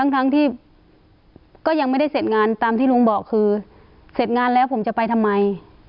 ทั้งที่ก็ยังไม่ได้เสร็จงานตามที่ลุงบอกคือเสร็จงานแล้วผมจะไปทำไม